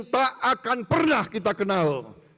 tak akan pernah kita kenal